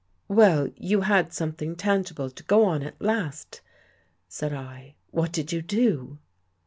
"Well, you had something tangible to go on at last," said I. " What did you do?